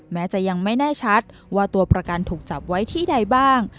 แม้จะยังไม่แน่ชัดว่าตัวประกันถูกจับไว้ที่ใดบ้าง